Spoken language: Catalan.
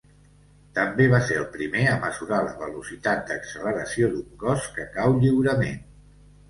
També va ser el primer a mesurar la velocitat d'acceleració d'un cos que cau lliurement.